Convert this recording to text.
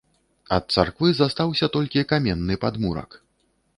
Ад царквы застаўся толькі каменны падмурак.